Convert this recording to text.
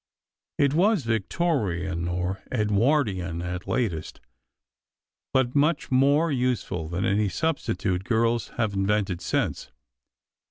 It was Victorian, or Edwardian at latest, but much more useful than any substitute girls have invented since.